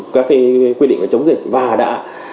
các quy định về chống dịch và đã